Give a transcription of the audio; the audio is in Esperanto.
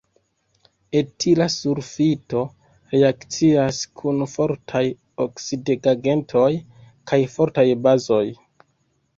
Etila sulfito reakcias kun fortaj oksidigagentoj kaj fortaj bazoj.